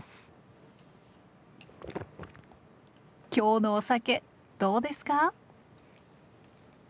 今日のお酒どうですか？